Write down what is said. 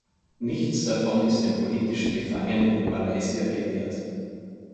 Nichts davon ist den politischen Gefangenen in Malaysia gewährt.